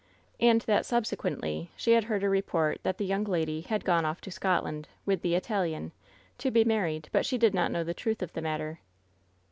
And that, subsequently, she had heard a report that the young lady had gone off to Scotland, with "the Italian," to be married ; but she did not know the truth of the matter.'